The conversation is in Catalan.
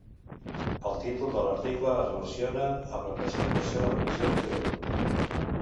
El títol de l'article es relaciona amb la classificació de la missió del jugador.